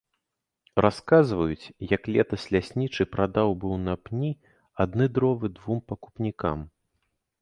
Расказваюць, як летась ляснічы прадаў быў на пні адны дровы двум пакупнікам.